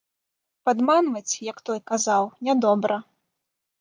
Падманваць, як той казаў, нядобра.